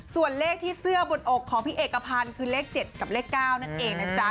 ส่วนเลขที่เสื้อบนอกของพี่เอกพันธ์คือเลข๗กับเลข๙นั่นเองนะจ๊ะ